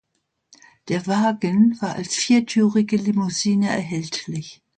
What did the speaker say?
Der Wagen war als viertürige Limousine erhältlich.